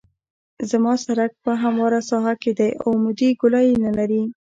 زما سرک په همواره ساحه کې دی او عمودي ګولایي نلري